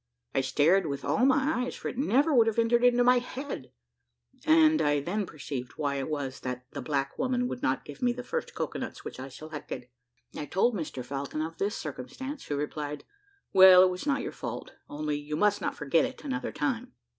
I stared with all my eyes, for it never would have entered into my head; and I then perceived why it was that the black woman would not give me the first cocoa nuts which I selected. I told Mr Falcon of this circumstance, who replied, "Well, it was not your fault, only you must not forget it another time."